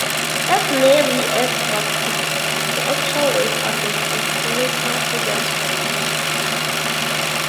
As nearly as was possible, the actual words of the historical figures were used.